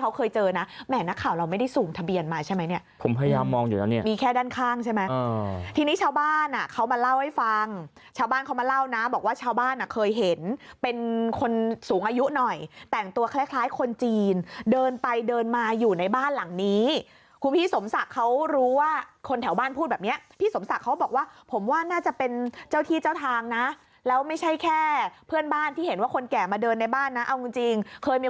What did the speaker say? เขามาเล่าให้ฟังชาวบ้านเขามาเล่านะบอกว่าชาวบ้านอ่ะเคยเห็นเป็นคนสูงอายุหน่อยแต่งตัวคล้ายคล้ายคนจีนเดินไปเดินมาอยู่ในบ้านหลังนี้คุณพี่สมศักดิ์เขารู้ว่าคนแถวบ้านพูดแบบเนี้ยพี่สมศักดิ์เขาบอกว่าผมว่าน่าจะเป็นเจ้าที่เจ้าทางนะแล้วไม่ใช่แค่เพื่อนบ้านที่เห็นว่าคนแก่มาเดินในบ้านนะเอาจริงจริ